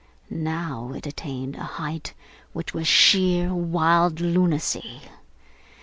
Now it attained a height which was sheer wild lunacy.